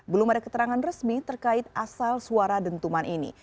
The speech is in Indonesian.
belum ada keterangan resmi terkait asal suara dentuman ini